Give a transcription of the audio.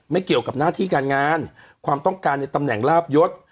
เกี่ยวกับหน้าที่การงานความต้องการในตำแหน่งลาบยศ